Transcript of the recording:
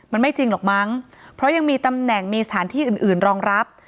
มันไม่จริงหรอกมั้งเพราะยังมีตำแหน่งมีสถานที่อื่นอื่นรองรับ